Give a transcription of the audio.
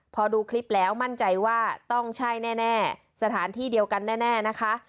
พอดูคลิปแล้วมั่นใจว่าต้องใช่แน่สถานที่เดียวกันแน่นะคะ